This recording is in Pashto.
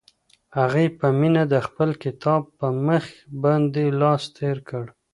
هغې په مینه د خپل کتاب په مخ باندې لاس تېر کړ.